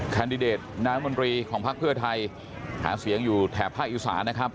แนตนามนตรีของพักเพื่อไทยหาเสียงอยู่แถบภาคอีสานนะครับ